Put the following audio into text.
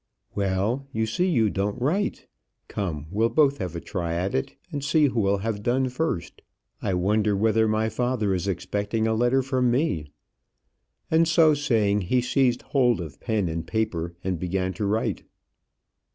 "Well you see you don't write. Come, we'll both have a try at it, and see who'll have done first. I wonder whether my father is expecting a letter from me?" And, so saying, he seized hold of pen and paper and began to write.